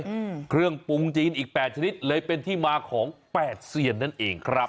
อืมเครื่องปรุงจีนอีกแปดชนิดเลยเป็นที่มาของแปดเซียนนั่นเองครับ